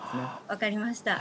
分かりました。